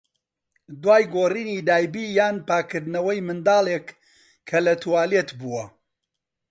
دوای گۆڕینی دایبی یان پاکردنەوەی مناڵێک کە لە توالێت بووە.